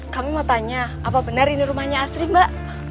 kami mau tanya apa benar ini rumahnya asri mbak